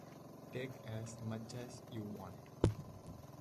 Take as much as you want.